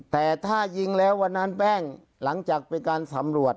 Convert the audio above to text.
แต่ถ้ายิงแล้ววันนั้นแป้งหลังจากเป็นการสำรวจ